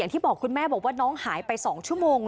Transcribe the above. อย่างที่คุณแม้บอกว่าน้องหายไป๒ชั่วโมง